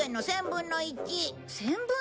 １０００分の１って？